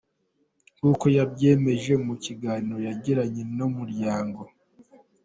Nk’uko yabyemeje mu kiganiro yagiranye na Umuryango.